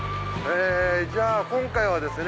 じゃあ今回はですね